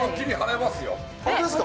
本当ですか？